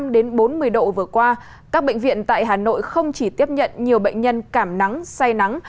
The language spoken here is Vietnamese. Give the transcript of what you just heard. ba mươi năm bốn mươi độ vừa qua các bệnh viện tại hà nội không chỉ tiếp nhận nhiều bệnh nhân cảm nắng say nắng